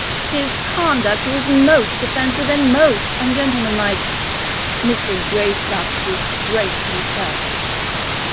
"His conduct was most offensive, and most most ungentlemanlike. Mr. Greystock disgraced himself."